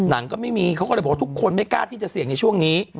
ก็ไม่มีเขาก็เลยบอกว่าทุกคนไม่กล้าที่จะเสี่ยงในช่วงนี้